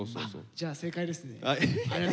じゃあ正解ですね。